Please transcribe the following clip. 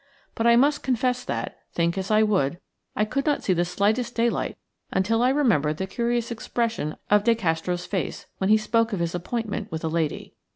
But I must confess that, think as I would, I could not see the slightest daylight until I remembered the curious expression of De Castro's face when he spoke of his appointment with a lady.